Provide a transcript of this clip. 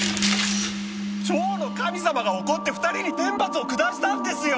蝶の神様が怒って２人に天罰を下したんですよ！